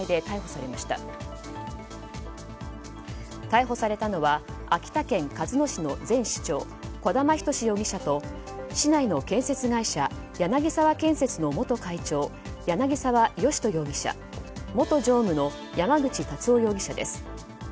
逮捕されたのは秋田県男鹿市の前市長児玉一容疑者と市内の建設会社柳沢建設の元会長柳沢義人容疑者元常務の山口達夫容疑者です。